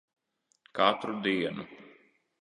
Katru dienu.